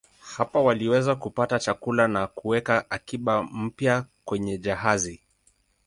Hapa waliweza kupata chakula na kuweka akiba mpya kwenye jahazi.